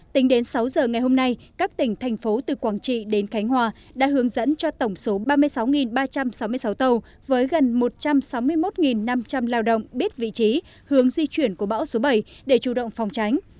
tính đến sáu giờ ngày hôm nay các tỉnh thành phố từ quảng trị đến khánh hòa đã hướng dẫn cho tổng số ba mươi sáu ba trăm sáu mươi sáu tàu với gần một trăm sáu mươi một năm trăm linh lao động biết vị trí hướng di chuyển của bão số bảy để chủ động phòng tránh